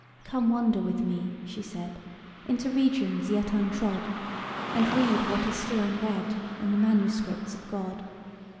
"'Come wander with me,' she said, 'Into regions yet untrod, And read what is still unread In the Manuscripts of God.